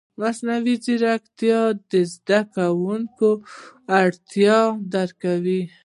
مصنوعي ځیرکتیا د زده کوونکو اړتیاوې درک کوي.